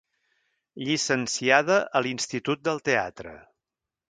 Llicenciada a l'Institut del Teatre.